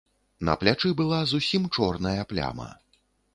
На плячы была зусім чорная пляма.